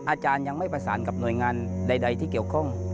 อาจารย์ยังไม่ประสานกับหน่วยงานใดที่เกี่ยวข้อง